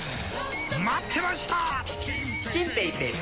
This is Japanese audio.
待ってました！